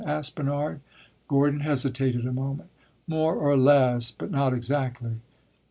asked Bernard. Gordon hesitated a moment. "More or less, but not exactly."